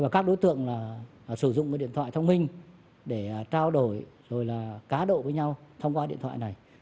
các đối tượng sử dụng điện thoại thông minh để trao đổi cá đội với nhau thông qua điện thoại này